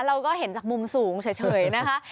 เราก็เห็นจากมุมสูงเฉยนะคะ